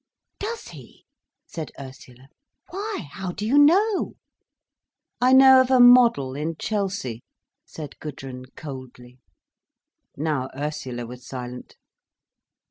"Does he!" said Ursula. "Why how do you know?" "I know of a model in Chelsea," said Gudrun coldly. Now Ursula was silent.